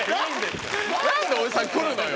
なんでおじさん来るのよ！